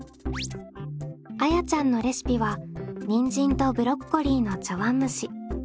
あやちゃんのレシピはにんじんとブロッコリーの茶碗蒸し。